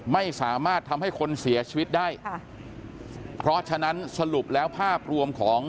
ไม่สามารถทำให้คนเสียชีวิตได้ค่ะเพราะฉะนั้นสรุปแล้วภาพรวมของ